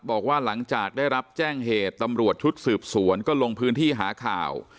บอกว่าหลังจากได้รับแจ้งเหตุตำรวจชุดสืบสวนก็ลงพื้นที่หาข่าว